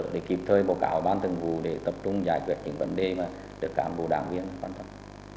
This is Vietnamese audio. để kịp thời báo cáo ban thường vụ để tập trung giải quyết những vấn đề mà được cán bộ đảng viên quan tâm